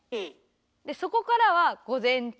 でそこからは「午前中」。